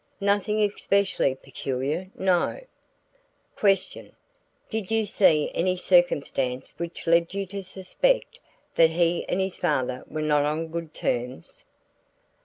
_ 'Nothing especially peculiar no.' "Q. 'Did you see any circumstance which led you to suspect that he and his father were not on good terms?'